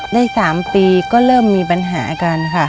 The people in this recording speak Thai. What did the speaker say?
ได้๓ปีก็เริ่มมีปัญหากันค่ะ